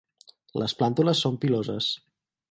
Les plàntules són piloses.